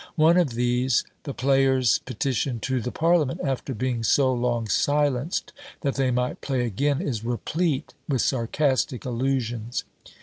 One of these, the "Players' Petition to the Parliament," after being so long silenced, that they might play again, is replete with sarcastic allusions.